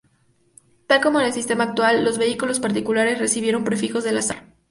Tal como en el sistema actual, los vehículos particulares recibieron prefijos al azar.